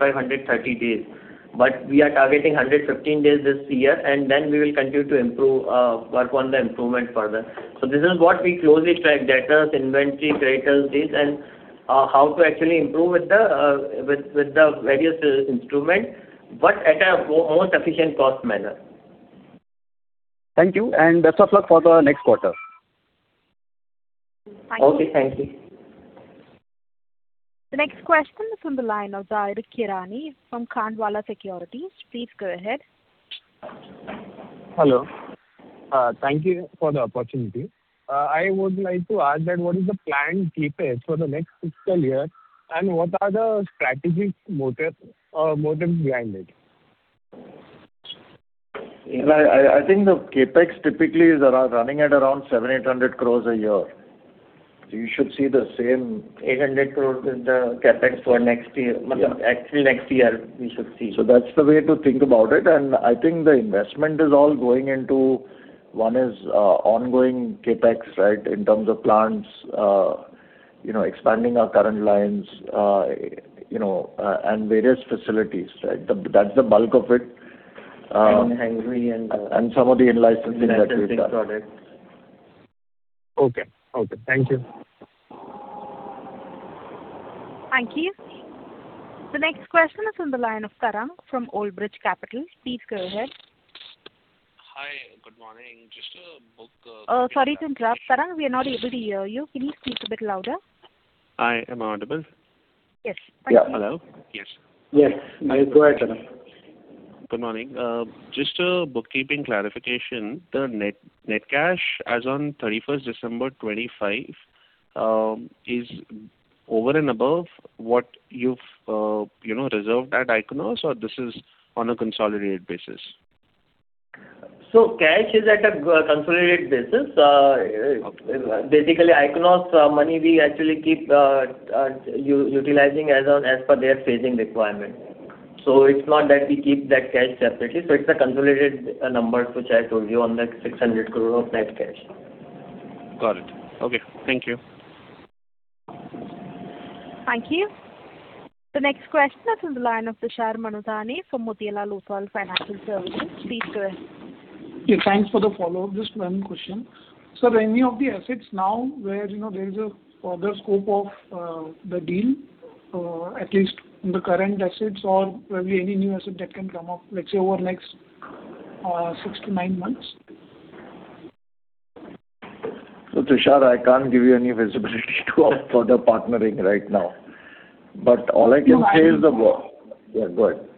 days. But we are targeting 115 days this year, and then we will continue to improve work on the improvement further. So this is what we closely track, debtors, inventory, creditors, this, and how to actually improve with the various instruments, but at a more efficient cost manner. Thank you, and best of luck for the next quarter. Thank you. Okay, thank you. The next question is from the line of Zaher Kherani from Khandwala Securities. Please go ahead. Hello. Thank you for the opportunity. I would like to ask that what is the planned CapEx for the next fiscal year, and what are the strategies motive, motive behind it? I think the CapEx typically is around, running at around 700-800 crores a year. So you should see the same- 800 crore is the CapEx for next year. Yeah. Actually, next year, we should see. So that's the way to think about it, and I think the investment is all going into... One is, ongoing CapEx, right, in terms of plants, you know, expanding our current lines, you know, and various facilities, right? That, that's the bulk of it, And Hanglee and- Some of the in-licensing that we've done. Okay. Okay, thank you. Thank you. The next question is from the line of Tarang from Old bridge Capital. Please go ahead. Hi, good morning. Sorry to interrupt, Tarang, we are not able to hear you. Can you speak a bit louder? Hi, am I audible? Yes. Yeah. Hello? Yes. Yes. Go ahead, Tarang. Good morning. Just a bookkeeping clarification, the net-net cash as on 31st December 2025 is over and above what you've, you know, reserved at Ichnos, or this is on a consolidated basis? So cash is at a consolidated basis. Okay. Basically, Ichnos money we actually keep utilizing as on as per their phasing requirement. So it's not that we keep that cash separately. So it's a consolidated number, which I told you, on the 600 crore of net cash. Got it. Okay, thank you. Thank you. The next question is from the line of Tushar Manudhane from Motilal Oswal Financial Services. Please go ahead. Yeah, thanks for the follow-up. Just one question. Sir, any of the assets now where, you know, there is a further scope of, the deal, at least in the current assets or probably any new asset that can come up, let's say, over the next, 6 to 9 months? So Tushar, I can't give you any visibility to our further partnering right now. But all I can say is the- No, I- Yeah, go ahead.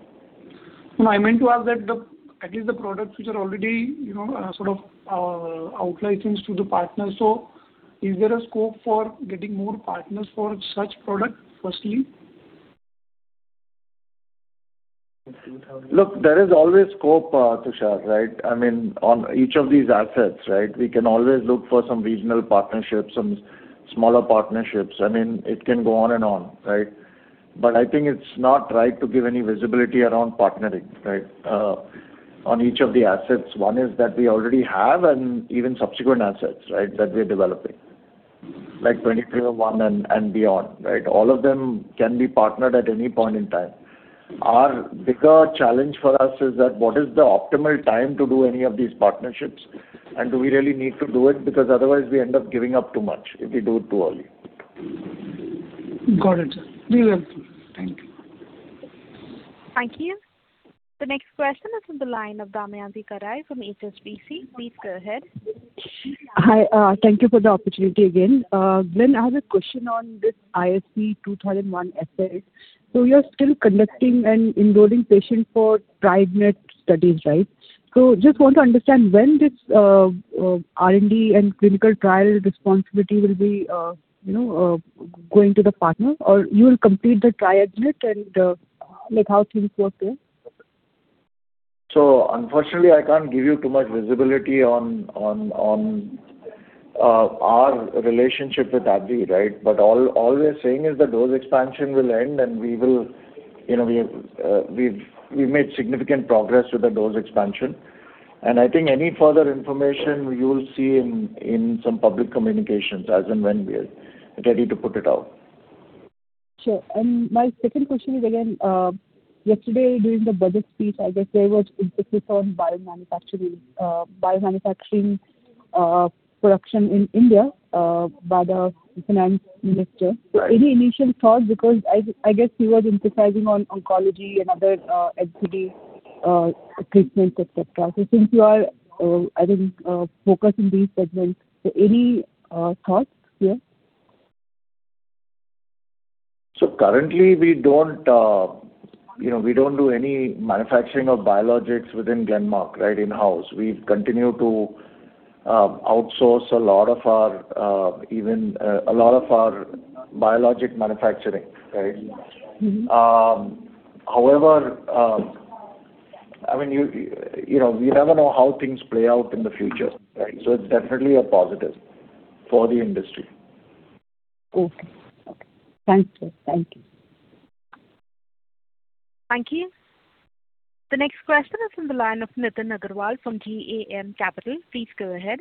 No, I meant to ask that the, at least the products which are already, you know, sort of, out licensed to the partners. So is there a scope for getting more partners for such products, firstly? Look, there is always scope, Tushar, right? I mean, on each of these assets, right? We can always look for some regional partnerships, some smaller partnerships. I mean, it can go on and on, right? But I think it's not right to give any visibility around partnering, right, on each of the assets. One is that we already have, and even subsequent assets, right, that we are developing, like 1 Jan 2023 and, and beyond, right? All of them can be partnered at any point in time. Our bigger challenge for us is that, what is the optimal time to do any of these partnerships, and do we really need to do it? Because otherwise we end up giving up too much if we do it too early. Got it, sir. Be well. Thank you. Thank you. The next question is from the line of Damayanti Kerai from HSBC. Please go ahead.... Hi, thank you for the opportunity again. Glenn, I have a question on this ISB 2001 asset. So you're still conducting and enrolling patients for phase I studies, right? So just want to understand, when this R&D and clinical trial responsibility will be, you know, going to the partner, or you will complete the phase I and, like, how things work there? So unfortunately, I can't give you too much visibility on our relationship with AbbVie, right? But all we're saying is the dose expansion will end, and we will, you know, we've made significant progress with the dose expansion. And I think any further information you will see in some public communications as and when we are ready to put it out. Sure. My second question is, again, yesterday, during the budget speech, I guess there was emphasis on bio manufacturing, bio manufacturing, production in India, by the finance minister. Right. So any initial thoughts? Because I guess he was emphasizing on oncology and other acidity treatments, et cetera. So since you are, I think, focused in these segments, so any thoughts here? So currently, we don't, you know, we don't do any manufacturing of biologics within Glenmark, right, in-house. We continue to outsource a lot of our biologic manufacturing, right? Mm-hmm. However, I mean, you know, we never know how things play out in the future, right? So it's definitely a positive for the industry. Okay. Okay. Thank you. Thank you. Thank you. The next question is from the line of Nitin Agarwal from DAM Capital. Please go ahead.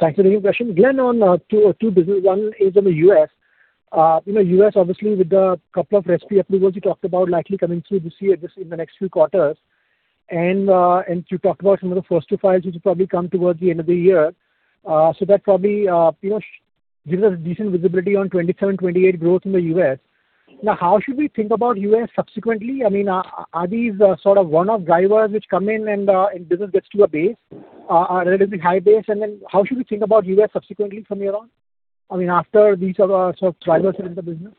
Thank you for taking the question. Glen, on two, two-business, one is in the U.S. In the U.S., obviously, with the couple of receipt approvals you talked about likely coming through this year, just in the next few quarters, and you talked about some of the first-to-file, which will probably come towards the end of the year. So that probably, you know, gives us decent visibility on 27, 28 growth in the U.S. Now, how should we think about U.S. subsequently? I mean, are these sort of one-off drivers which come in and business gets to a base, a relatively high base? And then how should we think about U.S. subsequently from here on, I mean, after these are sort of drivers in the business?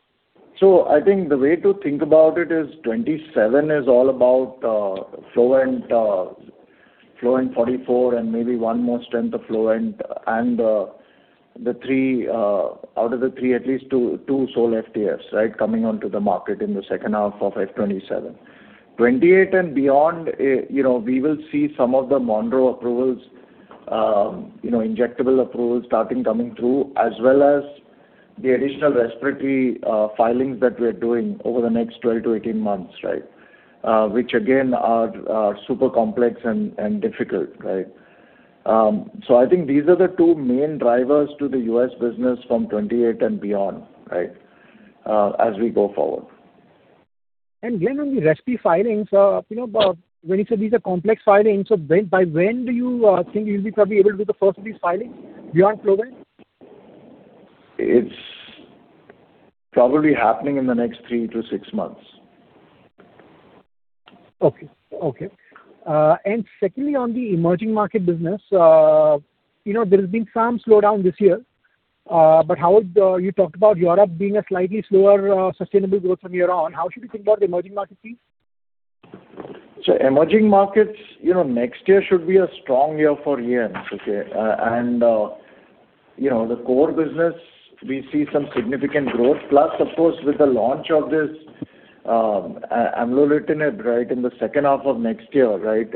So I think the way to think about it is 27 is all about, FLOVENT, FLOVENT 44, and maybe one more strength of FLOVENT, and, the three, out of the three, at least two, two sole FTFs, right, coming onto the market in the second half of FY 2027. 28 and beyond, you know, we will see some of the Monroe approvals, you know, injectable approvals starting coming through, as well as the additional respiratory, filings that we're doing over the next 12 to 18 months, right? Which again, are, are super complex and, and difficult, right? So I think these are the two main drivers to the U.S. business from 28 and beyond, right, as we go forward. Glen, on the generic filings, you know, but when you say these are complex filings, so when, by when do you think you'll be probably able to do the first of these filings beyond FLOVENT? It's probably happening in the next 3-6 months. Okay. Okay. And secondly, on the emerging market business, you know, there has been some slowdown this year, but how would... You talked about Europe being a slightly slower, sustainable growth from year on. How should we think about the emerging market piece? So emerging markets, you know, next year should be a strong year for EM, okay? And, you know, the core business, we see some significant growth, plus, of course, with the launch of this amlodipine, right, in the second half of next year, right?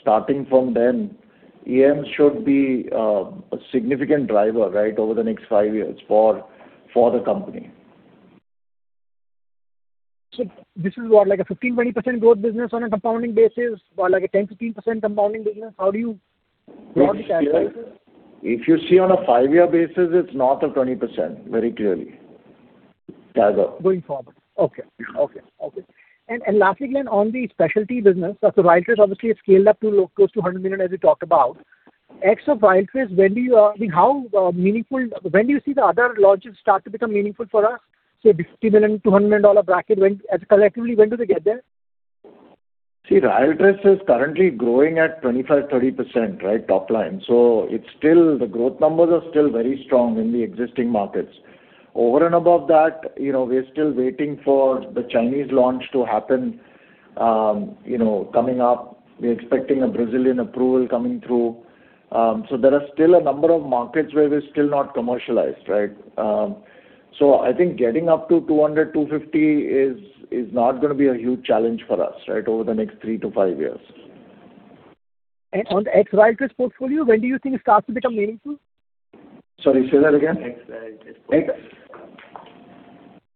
Starting from then, EM should be a significant driver, right, over the next five years for the company. So this is what, like a 15%-20% growth business on a compounding basis, or like a 10%-15% compounding business? How do you... If you see on a five-year basis, it's north of 20%, very clearly. Going forward. Okay. Okay. Okay. And, and lastly, Glen, on the specialty business, so RYALTRIS obviously has scaled up to close to $100 million, as you talked about. Next of RYALTRIS, when do you, I mean, how meaningful. When do you see the other launches start to become meaningful for us? Say, $50 million-$200 million dollar bracket, when, as collectively, when do they get there? See, RYALTRIS is currently growing at 25%-30%, right, top line. So it's still... The growth numbers are still very strong in the existing markets. Over and above that, you know, we are still waiting for the Chinese launch to happen, you know, coming up. We're expecting a Brazilian approval coming through. So there are still a number of markets where we're still not commercialized, right? So I think getting up to $200-$250 is, is not gonna be a huge challenge for us, right, over the next three to five years. On the RYALTRIS portfolio, when do you think it starts to become meaningful? Sorry, say that again. RYALTRIS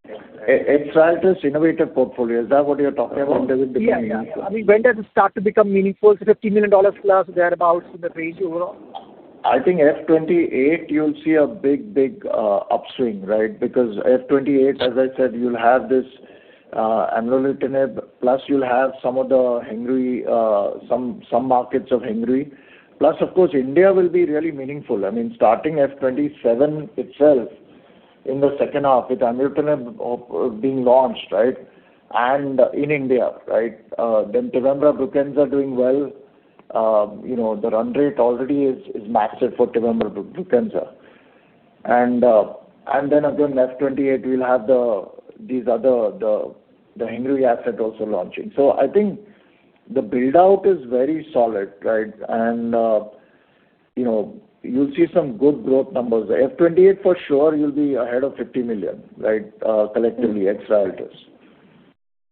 portfolio. RYALTRIS innovative portfolio, is that what you're talking about? Does it become meaningful? Yeah. I mean, when does it start to become meaningful? So $50 million plus, thereabout, in the range overall. I think FY 2028, you'll see a big, big, upswing, right? Because FY 2028, as I said, you'll have this, amlodipine, plus you'll have some of the Hengrui, some markets of Hengrui. Plus, of course, India will be really meaningful. I mean, starting FY 2027 itself in the second half, with Amlodipine being launched, right? And in India, right? Then TEVIMBRA BRUKINSA doing well. You know, the run rate already is maxed out for TEVIMBRA BRUKINSA. And, and then again, FY 2028, we'll have these other, the Hengrui asset also launching. So I think the build-out is very solid, right? And, you know, you'll see some good growth numbers. The FY 2028, for sure, will be ahead of $50 million, right, collectively, ex trials.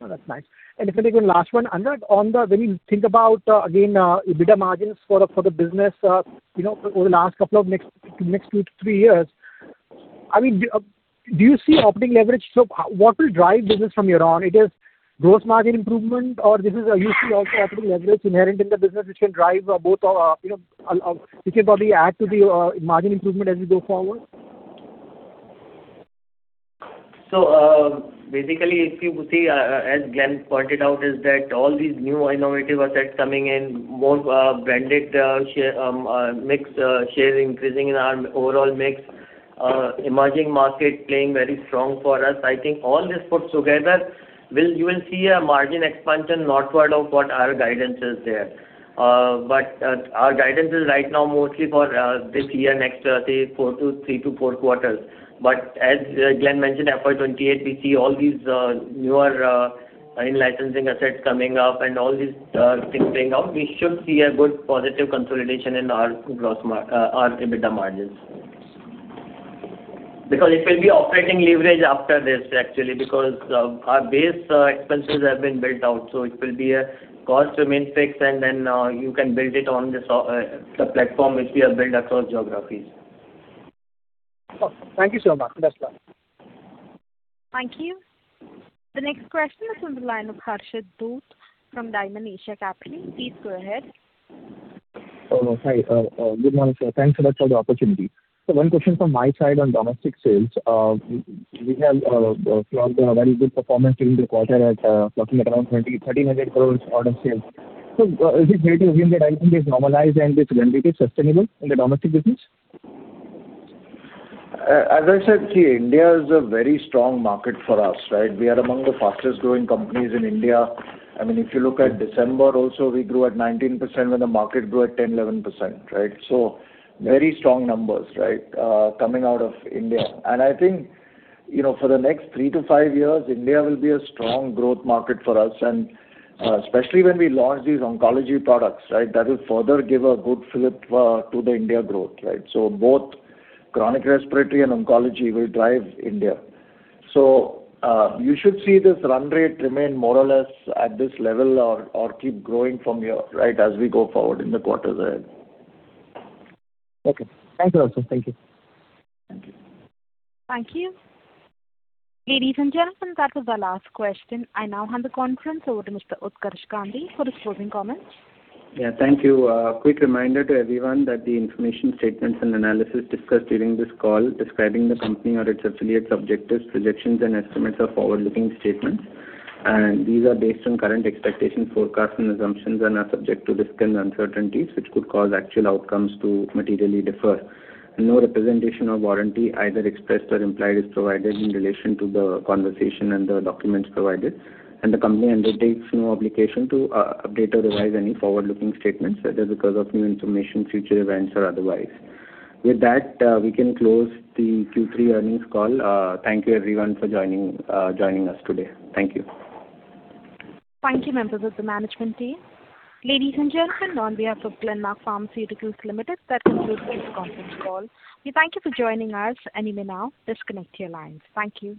Oh, that's nice. And if I get one last one, Anurag, on the—when you think about, again, EBITDA margins for the, for the business, you know, over the last couple of next, next 2-3 years, I mean, do you see operating leverage? So what will drive business from here on? It is gross margin improvement, or this is, you see also operating leverage inherent in the business, which can drive both, you know, which can probably add to the, margin improvement as we go forward? So, basically, if you see, as Glenn pointed out, is that all these new innovative assets coming in, more branded share mix share increasing in our overall mix, emerging market playing very strong for us. I think all this puts together, you will see a margin expansion northward of what our guidance is there. But our guidance is right now mostly for this year, next, say, three to four quarters. But as Glenn mentioned, FY 2028, we see all these newer in-licensing assets coming up and all these things playing out. We should see a good positive consolidation in our gross mar our EBITDA margins. Because it will be operating leverage after this, actually, because our base expenses have been built out, so it will be a cost remains fixed, and then you can build it on this, the platform which we have built across geographies. Okay. Thank you so much. That's all. Thank you. The next question is from the line of Harsh Dhoot from Dymon Asia Capital. Please go ahead. Oh, hi. Good morning, sir. Thanks a lot for the opportunity. So one question from my side on domestic sales. We have clocked a very good performance in the quarter at clocking around 20 million-30 million growth order sales. So, is it fair to assume that I think is normalized and this trend is sustainable in the domestic business? As I said, see, India is a very strong market for us, right? We are among the fastest growing companies in India. I mean, if you look at December also, we grew at 19%, when the market grew at 10%-11%, right? So very strong numbers, right, coming out of India. And I think, you know, for the next three to 5 years, India will be a strong growth market for us, and, especially when we launch these oncology products, right? That will further give a good flip, to the India growth, right? So both chronic respiratory and oncology will drive India. So, you should see this run rate remain more or less at this level or, or keep growing from here, right, as we go forward in the quarters ahead. Okay. Thank you, also. Thank you. Thank you. Thank you. Ladies and gentlemen, that was our last question. I now hand the conference over to Mr. Utkarsh Gandhi for his closing comments. Yeah, thank you. Quick reminder to everyone that the information, statements, and analysis discussed during this call describing the company or its affiliates, objectives, projections, and estimates are forward-looking statements. These are based on current expectations, forecasts, and assumptions, and are subject to risks and uncertainties, which could cause actual outcomes to materially differ. No representation or warranty, either expressed or implied, is provided in relation to the conversation and the documents provided, and the company undertakes no obligation to update or revise any forward-looking statements, whether because of new information, future events, or otherwise. With that, we can close the Q3 earnings call. Thank you everyone for joining us today. Thank you. Thank you, members of the management team. Ladies and gentlemen, on behalf of Glenmark Pharmaceuticals Limited, that concludes this conference call. We thank you for joining us, and you may now disconnect your lines. Thank you.